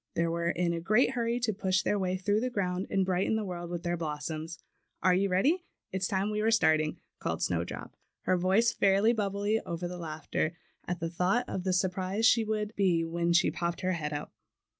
They were in a great hurry to push their way through the ground and brighten the world with their blossoms. "Are you ready? It's time we were start ing," called Snowdrop, her voice fairly bub bling over with laughter, at the thought of the surprise she would be when she popped her head up.